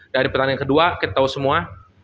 dari pertandingan kedua kita tau semua